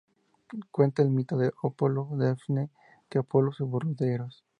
Cuenta el mito de Apolo y Dafne que Apolo se burló de Eros.